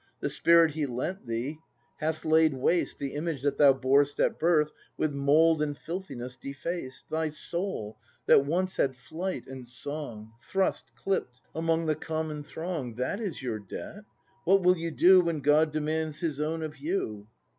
The spirit He lent thee hast laid waste. The image that thou bor'st at birth With mould and filthiness defaced; Thy Soul, that once had flight and song. Thrust, clipp'd, among the common throng. That is your debt. What will you do When God demands His own of you